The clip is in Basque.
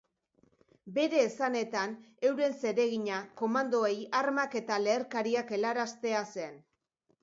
Bere esanetan, euren zeregina komandoei armak eta leherkariak helaraztea zen.